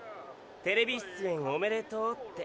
テレビ出演おめでとうって。